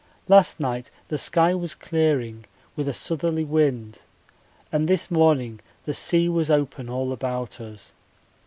Last night the sky was clearing, with a southerly wind, and this morning the sea was open all about us.